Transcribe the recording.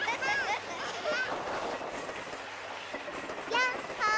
やっほ！